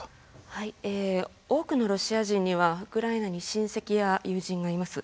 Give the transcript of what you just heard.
多くのロシア人にはウクライナに親戚や友人がいます。